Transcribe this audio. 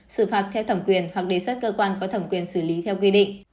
xử phạt theo thẩm quyền hoặc đề xuất cơ quan có thẩm quyền xử lý theo quy định